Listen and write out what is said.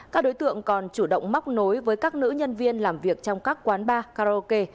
các đối tượng còn chủ động móc nối với các nữ nhân viên làm việc trong các quán bar karaoke